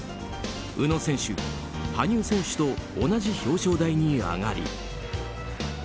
宇野選手、羽生選手と同じ表彰台に上がり。